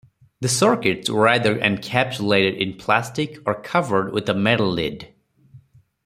The circuits were either encapsulated in plastic or covered with a metal lid.